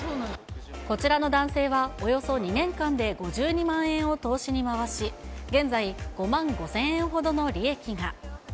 こちらの男性は、およそ２年間で５２万円を投資に回し、現在、５万５０００円ほどの利益が。